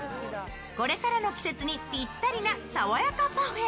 これからの季節にピッタリなさわやかパフェ。